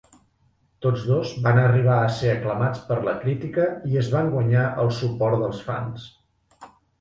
Tots dos van arribar a ser aclamats per la crítica i es van guanyar el suport dels fans.